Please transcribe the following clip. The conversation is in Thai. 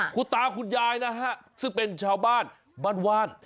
คุณตาคุณยายนะฮะซึ่งเป็นชาวบ้านบ้านว่าน